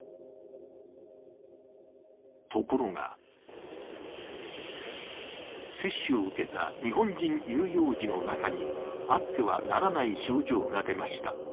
ところが、接種を受けた日本人乳幼児の中にあってはならない症状が出ました。